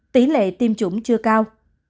tỷ lệ tiêm chủng chưa cao